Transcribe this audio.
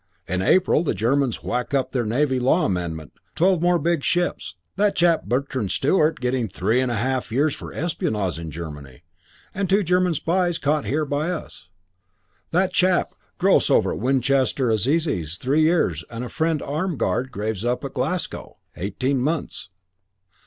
In April the Germans whack up their Navy Law Amendment, twelve more big ships. That chap Bertrand Stewart getting three and a half years for espionage in Germany; and two German spies caught by us here, that chap Grosse over at Winchester Assizes, three years, and friend Armgaard Graves up at Glasgow, eighteen months.